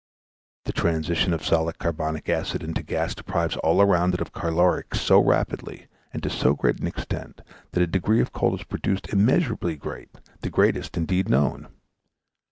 The transition of solid carbonic acid into gas deprives all around it of caloric so rapidly and to so great an extent, that a degree of cold is produced immeasurably great, the greatest indeed known.